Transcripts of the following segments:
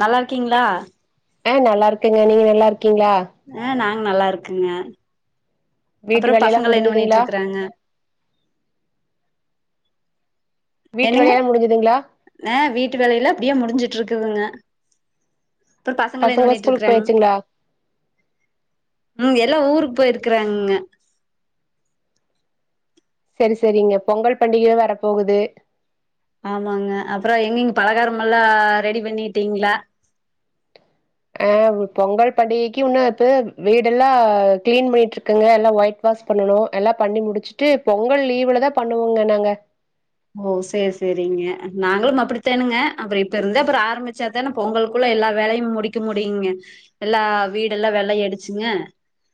நல்லா இருக்கீங்ளா ஆ நல்லா இருக்கங்க நீங்க நல்லா இருக்கீங்ளா ம் நல்லா இருக்குங்க வீட்டு அப்பற வேலையெல்லா பசங்களா என்ன முடிஞ்சுதுங்களா பண்ணிட்ருக்குறாங்க வீட்டு என்னங்க வேலையெல்லா முடிஞ்சுதுங்களா ஆ வீட்டு வேலைலா இப்டியே முடிஞ்சுட்ருக்குதுங்க இப்ப பசங்களா என்ன ஸ்கூலுக்கு பண்ணிட்ருக்கிறாங்க போயாச்சுங்களா ம் எல்லா ஊரு போயிருக்கிறாங்கங்க செரி செரிங்க பொங்கல் பண்டிகையு வர போகுது ஆமாங்க அப்பற எங்கெங்க பலகாரமெல்லா ரெடி பண்ணிட்டீங்ளா அ பொங்கல் பண்டிகைக்கு இன்னு எப்பவும் வீடெல்லா க்ளீன் பண்ணிட்ருக்கங்க எல்லா ஒயிட் வா வாஷ் பண்ணனு எல்லா பண்ணி முடிச்சுட்டு பொங்கல் லீவுல தா பண்ணுவோங்க நாங்க ஓ சேரி சேரிங்க நாங்களும் அப்டித்தானுங்க அப்பற இப்ப இருந்தே அப்பற ஆரம்மிச்சாதான பொங்கலுக்குல்ல எல்லா வேலையும் முடிக்க முடியுங்க எல்லா வீடெல்லா வெள்ளை அடிச்சுங்க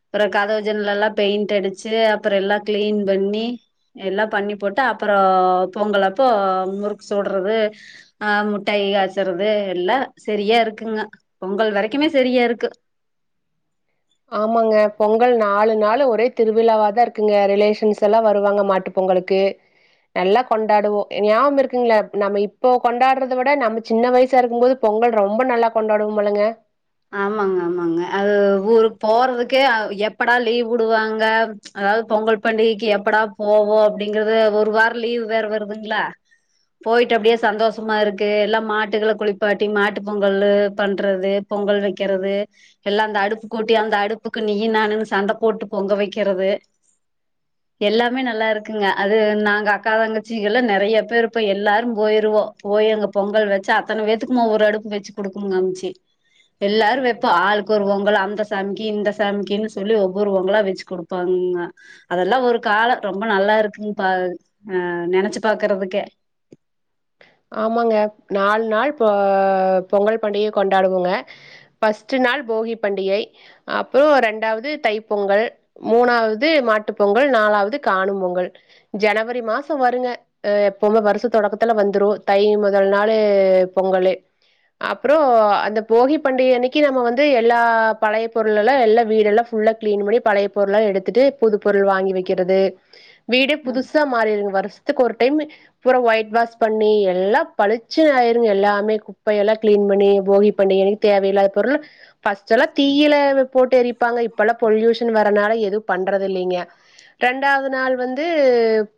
அப்பற கதவு ஜன்னலெல்லா பெயிண்ட் அடிச்சு அப்பற எல்லா க்ளீன் பண்ணி எல்லா பண்ணி போட்டா அப்பறோ பொங்கல் அப்போ முறுக்கு சுட்றது ஆ முட்டாயி காச்சறது எல்லா செரியா இருக்கு குங்க பொங்கல் வரைக்குமே செரியா இருக்கு ஆமாங்க பொங்கல் நாலு நாளு ஒரே திருவிழாவா தா இருக்குங்க ரிலேஷன்ஸ் எல்லா வருவாங்க மாட்டு பொங் கலுக்கு நல்லா கொண்டாடுவோ எ ஞாவகம் இருக்குங்ளா நம்ம இப்போ கொண்டாடுறத விட நம்ம சின்ன வயசா இருக்கும் போது பொ பொங்கல் ரொம்ப நல்லா கொண்டாடுவோமுலங்க ஆமாங்க ஆமாங்க அது ஊருக்கு போறதுக்கே அ எப்படா லீவ் விடுவாங்க அ அதாவ்து பொங்கல் பண்டிகைக்கு எப்படா போவோ அப்டிங்கறது ஒரு வார லீவ் வேற வருதுங்ளா போயிட்டு அப்டியே சந்தோஷமா இருக்கு எல்லா மாட்டுகள குளிப்பாட்டி மாட்டு பொங்கலு பண்றது பொங்கல் வெக்கிறது எல்லா அந்த அடுப்பு கூட்டி அந்த அடுப்புக்கு நீயி நானுனு சண்ட போட்டு பொங்க வைக்கிறது எ எல்லாமே நல்லா இருக்குங்க அது நாங்க அக்கா தங்கச்சிகள்லா நெறைய பேர் இப்ப எல்லாரு போயிரு வோ போய் அங்க பொங்கல் வச்சு அத்தன வேத்துக்குமா ஒரு அடுப்பு வச்சு குடுக்கும் எம்ச்சி எல்லாரு வெப்போ ஆளுக்கு ஒரு பொங்கலா அந்த சாமிக்கு இந்த சாமிக்கின்னு சொல்லி ஒவ்வொரு பொங்கலா வெச்சு குடுப்பா அம்மா அதெல்லா‌ ஒரு கால ரொம்ப நல்லா இருக்குங் பா ஆ நெனச்சு பாக்குறதுக்கே ஆமாங்க நாலு நாள் இப்ப பொங்கல் பண்டிகைய கொண்டாடுவோங்க ஃபஸ்ட்டு நாள் போகி பண்டிகை அப்போ ரெண்டாவ்து தைப் பொங்கல் மூணாவ்து மாட்டுப்பொங்கல் ம் நாலாவ்து காணும் பொங்கல் ஜனவரி மாச வருங்க அ எப்பவுமே வருச தொடக்கத்துல வந்துரு தை முதல் நாளு பொங்கலு அப்றோ அந்த போகி பண்டிகை அன்னைக்கி நம்ம வந்து எல்லா பழைய பொருளெல்லா எல்லா வீடெல்லா சுத் ஃபுல்லா க்ளீன் பண்ணி பழைய பொருள்லா எடுத்துட்டு புது பொருள் வாங்கி வக்கிறது வீடே புதுசா மாறிரு வருசத்துக்கு ஒரு டைம்மு பூரா ஒயிட் வாஷ் பண்ணி எல்லா பளிச்சுனு ஆயிருங்க எல்லாமே குப்பையெல்லா க்ளீன் பண்ணி போகி பண்டிகை அன்னைக்கு தேவையில்லாத பொருளு ஃபஸ்டெல்லா தீயில போட்டு எரிப்பாங்க இப்பலா பொல்யூஷன் வரனால எதுவு பண்றதில்லைங்க ரெண்டாவ்து நாள் வந்து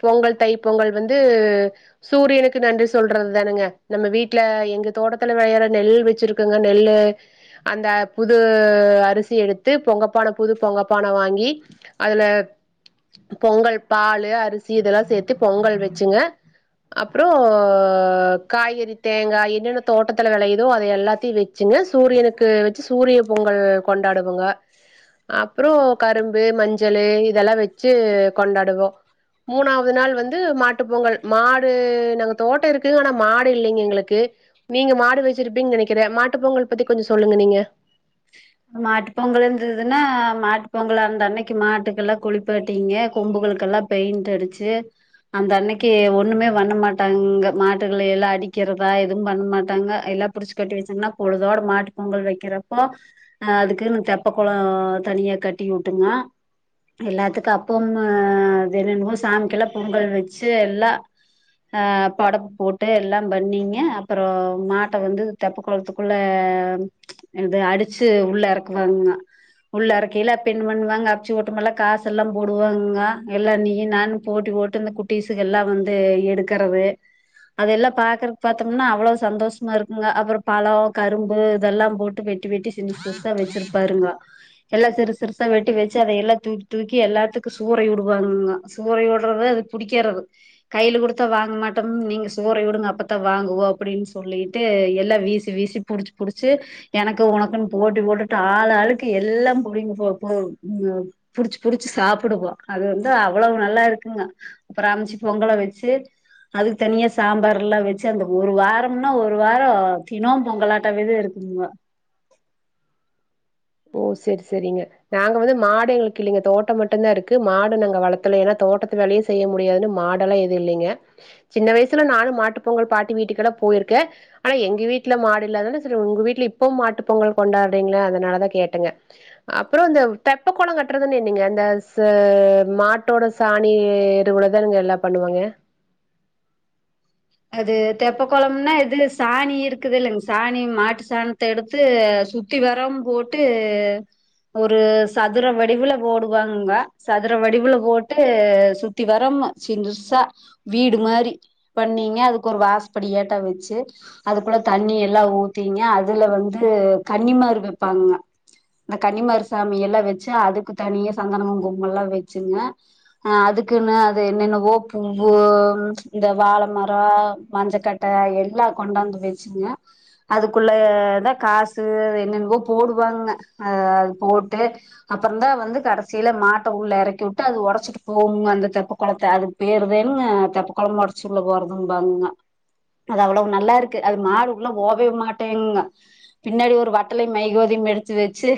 பொங்கல் தை பொங்கல் வந்து சூரியனுக்கு நன்றி சொ சொல்றது தானுங்க நம்ம வீட்ல எங்க தோட்டத்துல வெளையற நெல்லு வச்சிருக்கங்க நெல்லு அந்த அ புது அரிசி எடுத்து பொங்கப்பான புது பொங்கப்பான வாங்கி அதுல பொங்கல் பாலு அரிசி இதெல்லா சேத்து பொங்கல் வச்சுங்க அப்றோ அ காய்கறி தேங்கா என்னென்ன தோட்டத்துல வெளையுதோ அத எல்லாத்தையு வெச்சுங்க சூரியனுக்கு வச்சு சூரிய பொங்கல் கொண்டாடுவங்க அப்றோ கரும்பு மஞ்சளு இதெல்லா வெச்சு கொண்டாடுவோ மூணாவ்து நாள் வந்து மாட்டு பொங்கல் மாடு நாங்க தோட்ட இருக்கு கு ஆனா மாடு இல்லீங்க எங்களுக்கு நீங்க மாடு வச்சிருப்பீங்கு நினைக்கிறே மாட்டு பொங்கல் பத்தி கொஞ்ச சொல்லுங்க நீங்க மாட்டு பொங்கல்ருந்ததுன்னா மாட்டு பொங்கலாருந்தன்னைக்கு மாட்டுக்கெல்லா குளிப்பாட்டீங்க கொம்புகளு கல்ல பெயிண்டு அடிச்சு அந்த அன்னைக்கு ஒண்ணுமே பண்ணமாட்டாங்கங்க மாட்டுகளயெல்லா அடி க்கிறதா எது பண்ணமாட்டாங்க எல்லா புடிச்சு கட்டி வச்சாங்கன்னா பொழுதோட மாட்டு பொங்கல் வைக்கிறப்போ அ அதுக்குனு தெப்பகொளோ தனியா கட்டி விட்டுங்க எல்லாத்துக்கு அப்போமோ தெனனுமோ சாமிக்கெல்லா பொங்கல் வச்சு எல்லா அ படப்பு போட்டு எல்லா பண்ணீங்க அப்பறோ மாட்ட வந்து தெப்ப கொளத்துக்குள்ள ள இது அடிச்சு உள்ள எறக்குவாங்கங்க உள்ளறக்கையில அப்யென்ன பண்ணுவாங்க அப்ச்சி ஓட்டமல்லா காசு எல்லா போடுவாங்க எல்லா நீயி நானு போட்டி போட்டு இந்த குட்டிஸ்குகெல்லா வந்து எடுக்கறது அதெல்லா பாக்குறக் பாத்தோம்னா அவ்ளவு சந்தோஷமாருக்குங்க அப்புறோ பழம் கரும்பு இதெல்லா போட்டு வெட்டி வெட்டி சின்னுசிறுசா வச்சிருப்பாருங்க யெல்லா சிறு சிறுசா வெட்டி வச்சு அதயேல்லா தூக்கி தூக்கி எல்லாத்துக்கு சூறை விடுவாங்கங்க சூறை விட்றது பிடிக்கிறது கையில குடுத்தா வாங்க மாட்டோம்னு நீங்க சூறை விடுங்க அப்பதா வாங்குவோ அப்டின்னு சொல்லிட்டு யெல்லா வீசி வீசி புடிச்சு புடிச்சு எனக்கு உனக்குன்னு போட்டி போட்டுட்டு ஆள் ஆளுக்கு எல்லா புடிங் போ போ ம் புடிச்சு புடிச்சு சாப்புடுவோ அது வந்து அவ்வளவு நல்லாருக்குங்க அப்புற அஞ்சு பொங்கல வச்சு அதுக்கு தனியா சாம்பாரல்லா வச்சு அந்த ஒரு வாரம்னா ஒரு வாரோ தினோ பொங்கலாட்டவிதுருக் உம் மா ஓ செரி செரிங்க நாங்க வந்து மாடு எங்களுக்குயில்லிங்க தோட்டோ மட்டுதாருக்கு மாடு நாங்க வளத்தல ஏன்னா தோட்டத்துவேலயு செய்ய முடியாதுனு மாடலயெதுயில்லங்க சின்ன வயசுல நானு மாட்டு பொங்கல் பாட்டி வீட்டுக்கலா போயிருக்கே ஆனாயெங்க வீட்டுல மாடுயில்லாத சரி உங்க வீட்ல இப்போம் மாட்டு பொங்கல் கொண்டாடுறீங்களே அதனால தா கே கேட்டங்க அப்றோ இந்த தெப்ப குளோ கட்டுறதுன்னயென்னீங்க இந்த சா மாட்டோட சா சானி எருவுலதானங்கயெல்லா பண்ணுவாங்க அது தெப்பகுளம்னாயெது சாணிருக்குதுல்லைங்க சாணி மாட்டு சாணத்தயெடுத்து சுத்தி வேறம் போட்டு ஒரு சதுர வடிவுல போடுவாங்கங்க சதுர வடிவுல போட்டு சுத்தி வர ம்மா சின்ருசா வீடு மாரி பண்ணீங் னிய அதுக்கு ஒரு வாசப்படியாட்டோ வச்சு அதுக்குள்ள தண்ணியில்லா ஊத்திங்க அதுல வந்து க கன்னி மாரு வைப்பாங்கங்க அந்த கன்னிமாறுசாமியெல்லா வச்சு அதுக்கு தனிய சந்தனமு குங்கும்மல்லா வச்சுங்க அ அதுக்குன்னு அது என்னென்னவோ பூவு இந்த வாழ மரோ ரா மஞ்சகட்ட எல்லா கொண்டாந்து வச்சுங்க அதுக்குள்ளதா காசு து என்னனவோ போடுவாங்க அத போட்டு அப்புற தா வந்து கடசியில மாட்ட உள் இறக்கிவுட்டு அது உடச்சுட்டு போவுங்க அந்த தெப்ப குளத்த அதுக்கு பேருதானுங்க தெப்பகுளம் உடச்சு உள்ள போறது ம் பங்கா அது அவ்வளவு நல்லாருக்கு அது மாடுவுல்லபோவே மாட்டேங்க பின்னாடி ஒரு வட்டலையுமைக்கு ம்மா யெடுத்து வச்சு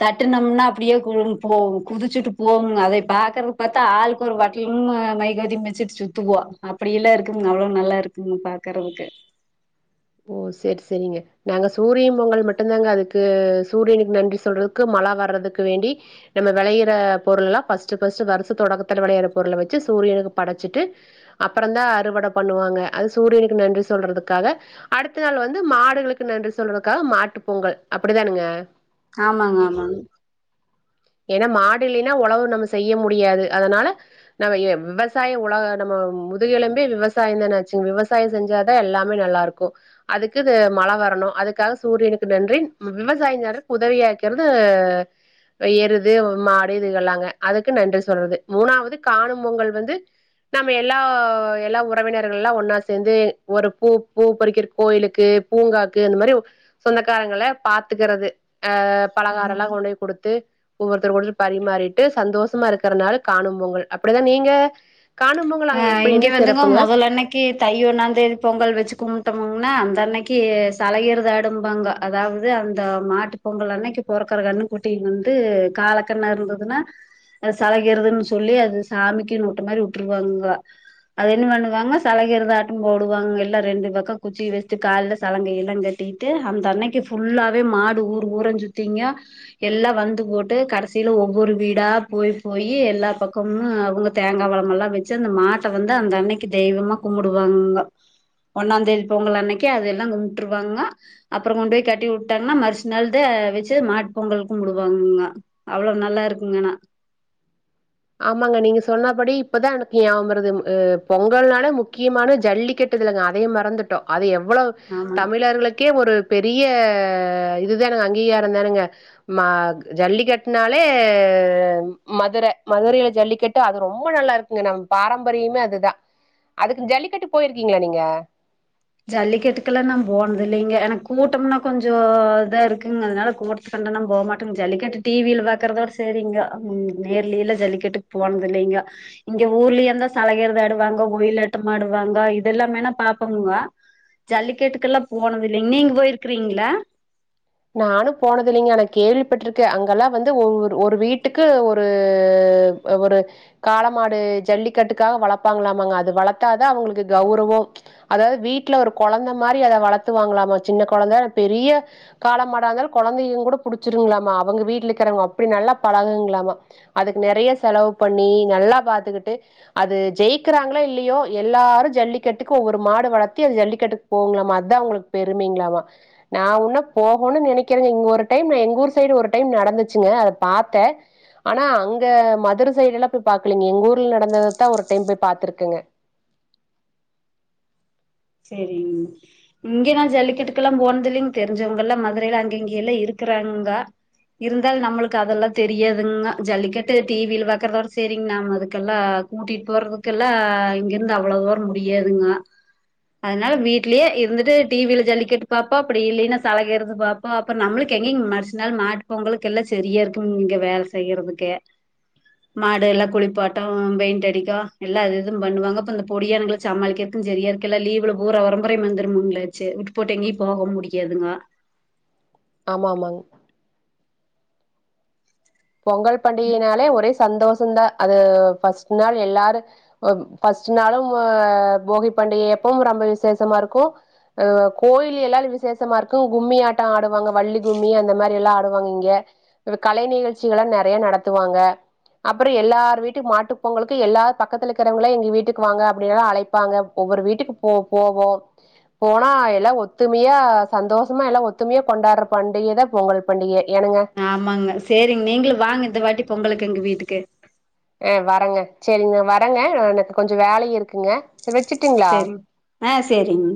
தட்டுனம்னா அப்டியே கு போ குதிச்சுட்டு போவுங்க அதை பாக்றதுக் பாத்தா ஆளுக்கு ஒரு வட்டலும்மு மைகதிவச்சுட்டு சுத்துவோ அப்படியில்லருக்கு க்கு அவ்ளோ நல்லாருக்குங்க பாக்குறதுக்கு ஓ செரி செரிங்க நாங்க சூரியம் பொங்கல் மட்டுந்தாங்க அதுக்கு சூரியனுக்கு நன்றி சொல்றதுக்கு மலா வர்றதுக் க்கு வேண்டி நம்ம வெளையிற பொருளல்லா பஸ்டு பஸ்டு வருச தொடக்கத்தில வெளயிற பொருள வச்சு சூரியனுக்கு பட ச்சுட்டு அப்புறந்தா அறுவட பண்ணுவாங்க அது சூரியனுக்கு நன்றி சொல்றதுக்காக அடுத்த நாள் வந்து மாடுகளுக்கு நன்றி சொல்றதுக்காக மாட்டு பொங்கல் அப்டிதானுங்க ஆமாங்க ஆமாங்க ஏன்னா மாடுயில்லைன்னா உழவு நம்ம செய்ய முடியாது அதனால நம்ம விவசாய உலக நம்ம முதுகெலும்பே விவசாயதானாச்சுங்க விவசயோ செஞ்சாட்ட எல்லாமே நல்லாருக்கு அதுக்குது மழ வரணு அதுக்காக சூரியனுக்கு நன்றி. விவசாயஞரு உதவியாக்கிறது எருது மாடு இதுகளாங்க அதுக்கு நன்றி சொல்றது மூனாவது காணும் பொங்கல் வந்து நம்ப எல்லா எல்லா உறவினர்கள்லா ஒன்னா சேந்து ஒரு பூ பூ பறிக்கிறர்க் கோயிலுக்கு பூங்காக்கு அந்த மாரி சொந்தக்காரங்கள பாத்துக்கறது ஆ பலகாரோலா கொண்டு போய் குடுத்து ஒவ்வொருத்தருகூடலு பரிமாறிட்டு சந்தோஷமா இருக்குற நாள் காணும் பொங்கல் அப்டிதா நீங்க காணும் பொங்கல் அ அங்க எப்படி இங்க என்ன வந்துங்க சிறப்புங்க மொதலன்னைக்கு தை ஒன்னாந் தேதி பொங்கல் வச்சி கும்ட்டோம் னா அந்த அன்னைக்கு சலயிருதாடும்பாங்க அதாவது அந்த மாட்டு பொங்கல் அன்னைக்கு பொறக்கர க கண்ணுகுட்டி வந்து காலக்கண்ணா இருந்ததுனா அது சலகிறதுன் சொல்லி அது சாமிகின் வுட்ட மாரி வுட்ருவாங்க அது என்ன பண்ணுவாங்க சலகிறதாட்டோ போடுவாங்க எல்லா ரெண்டு பக்கோ குச்சி வச்சி கால்ல சலங்கையெல்லா கட் டிட்டு அந்த அன்னைக்கு ஃபுல்லாவே மாடு ஊர் பூரா சுத்திங்க எல்லா வந்து போட்டு கடைசி ல ஒவ்வொரு வீடா போய் போயி எல்லா பக்கம்மு அவுங்க தேங்கா பழமெல்லா வைச்சி அந்த மாட்ட வந்து அந்த அன்னைக்கு தெய்வமா கும்புடுவாங்க ஒன்னா தேதி பொங்கல் அன்னைக்கு அதெல்லா கும்புட்ருவாங்க அப்றோ கொண்ட் போய் கட்டி வுட்டாங்னா மறுஸ் நாள்து வைச்சி மாட்பொங்கல் கும்புடுவாங்கக அவ்ளோ நல்லாருக்குங்க ஆனா ஆமாங்க நீங்க சொன்னாபடி இப்பதா எனக் ஞாபம்வருது ம் பொங்கல்னாலே முக்கியமான ஜல்லிக்கட் டுதல்க அதையே மறந்துட்டோ அது எவ்ளோ ஆமாங்க தமிழர்களுக்கே ஒரு பெரிய இதுதானேங்க அங்கீகாரதானேங்க மா ஜல்லிக்கட்னாலே அ மதுர மதுரைல ஜல்லிக்கட்டு அது ரொம்ப நல்லா இருக்குங்க நம்ப பாரம்பரியமே அதுதா அதுக்கு ஜல்லிக்கட்டு பொய்ருக்கீங்களா நீங்க ஜல்லிக்கட்டுக்கெல்லா நா போனதில்லேங்க எனக் கூட்டம்னா கொஞ்சோ இதா இருக்குங் அதனால கூட்டத்து ல நான் போ மாட்டேங் ஜல்லிக்கட்டு டி வில பாக்கறதோட செரிங்க நேர்லேலா ஜல்லிக்கட்டுக் போனதில்லேங்க இங்க ஊர்லயா இருந்தா சலயிரத் தாடுவாங்க ஒயிலாட்டமாடுவாங்க இதெல்லாமே நா பாப்போம்ங்க ஜல்லிக்கட்டுக்கெல்லா போனதில்லைங் நீங் பொய்ருக்கிறீங்ளா நானு போனதில்லைங்க ஆனா கேள்விப்பட்ருக்கே அங்கெல்லா வந்து ஒவ்வொரு ஒரு வீட்டுக்கு ஒரு அ ஒரு காலமாடு ஜல்லிக்கட்டுக்காக வளப்பாங்களாமாங்க அது வளத்தாதா அவுங்களுக்கு கௌரவோ ஓ அதாவது வீட்ல ஒரு கொழந்த மாரி அத வளத்து வாங்கலாமா சின்ன கொழந்த பெரீய காலமாடா இருந்தாலு கொழந்தையு கூட புடிச்சிருங்களாமா அவங்க வீட்ல இக்கறவங்க அப்டி நல்லா பழகுங்களாமா அதுக்கு நெறையா செலவு பண்ணி நல்லா பாத்துக்கிட்டு அது ஜெயிக்றாங்களோ இல்லியோ எல்லாரு ஜல்லிக் கட்டுக்கு ஒவ்வொரு மாடு வளத்தி அது ஜல்லிக்கட்டுக் போகுங்ளாமா அத்தா அவுங்ளுக் பெருமைங்ளாமா நா ஒன்னு போகனு நெனைக்கிறே இங்க ஒரு டைம் எங்க ஊர் சைடு ஒரு டைம் நடந்துச்சுங்க அத பாத்தே ஆனா அங்க மதுர சைடெல்லா போய் பாக்லீங்க எங்க ஊர்ல நடந்தத தா ஒரு டைம் போய் பாத்ருக்கேங்க செரிங் இங்க நா ஜல்லிக்கட்டுக்கெல்லா போனதில்லைங் தெரிஞ்சவங்கெல்லா மதுரைல அங்க இங்கியெல்லா இருக் குறாங்க இருந்தாலு நம்முளுக் அதெல்லா தெரியாதுங்க ஜல்லிக்கட்டு டி வில பாக்றதோட சேரிங் நாம் அதுக்கெல்லா கூட்டிட் போறதுக்கெல்லா இங்கிருந் அவ்ளோ தூரோ முடியாதுங்க அதனால வீட்லே இருந்துட்டு டி வில ஜல்லிக்கட்டு பாப்பா அப்டி இல்லேனா சலயேறது பாப்பா அப்றோ நம்முளுக் எ ங்கிங் மறுசு நாள் மாட்டு பொங்கலுக்கெல்லா செரியா இருக்குங் இங்க வேல செய்யறதுக்கே மாடு எல்லா குளிப்பாட்டவு பெயிண்ட் அடிக்க எல்லா அது இதும் பண்ணுவாங்க அப்றோ இந்த பொடியனங்கள சமாளிக்கிறக்குங் செரியா இருக் கெல்லா லீவ்ல பூரா ஒரம்பரையு வந்துரும்களாச் சே வுட்டு புட்டு எங்கேயு போகவு முடியாதுங்க ஆமாமாங் பொங்கல் பண்டிகைனாலே ஒரே சந்தோஷோதா அது ஃபர்ஸ்ட் நாள் எல்லாரு ஃபர்ஸ்ட் நாளும் போகிப் பண்டிகை எப்பவும் ரொம்ப விசேஷமா இருக்கு அ கோயிலியெல்லாலு விசேஷமா இருக்கு கும்மி ஆட்டோ ஆடுவாங்க வள்ளி கும்மி அந்த மாரி எல்லா ஆடுவாங்க இங்க நம்ப கலை நிகழ்ச்சிகளா நெறையா நடத்துவாங்க அப்றோ எல்லார் வீட்டு மாட்டு பொங்கலுக்கு எல்லார் பக்கத்துல இக்கறவங்களா எங்க வீட்டுக் வாங்க அப்டின்லா அழைப்பாங்க ஓவ்வொரு வீட்டுக் போ போவோ போனா எல்லா ஒத்துமியா சந்தோஷமா எல்லா ஒத்துமியா கொண் வர்ற பண்டிகேதா பொங்கல் பண்டிகே ஆமாங்க சேரிங் நீங்குளு வாங்க இந்த வாட்டி பொங்கலுக்கு எங்க வீட்டுக்கு ஆ வரேங்க சேரிங்க நா வரேங்க எனக்கு கொஞ்ச வேலை இருக்குங்க செரி வச்சுட்டுங்களா சேரிங் ஆ சேரிங்